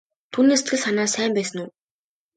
Түүний сэтгэл санаа сайн байсан уу?